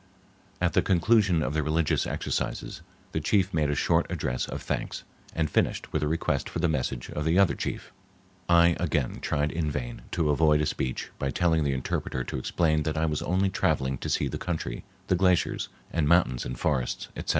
At the conclusion of the religious exercises the chief made a short address of thanks, and finished with a request for the message of the other chief. I again tried in vain to avoid a speech by telling the interpreter to explain that I was only traveling to see the country, the glaciers, and mountains and forests, etc.